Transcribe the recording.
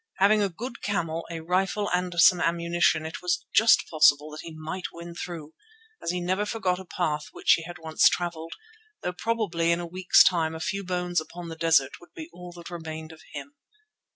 Having a good camel, a rifle and some ammunition, it was just possible that he might win through, as he never forgot a path which he had once travelled, though probably in a week's time a few bones upon the desert would be all that remained of him.